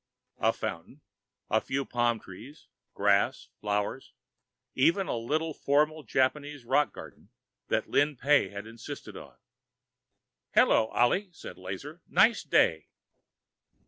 A fountain, a few palm trees, grass, flowers, even the little formal Japanese rock garden that Lin Pey had insisted on. "Hello, Ollie," said Lazar. "Nice day."